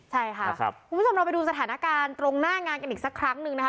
ใช่ค่ะคุณผู้ชมเราไปดูสถานการณ์ตรงหน้างานกันอีกสักครั้งหนึ่งนะคะ